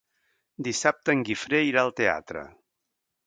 Dissabte en Guifré irà al teatre.